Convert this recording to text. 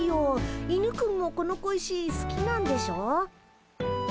犬くんもこの小石好きなんでしょ？